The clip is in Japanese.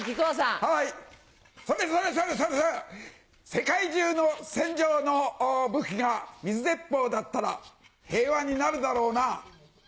世界中の戦場の武器が水鉄砲だったら平和になるだろうな。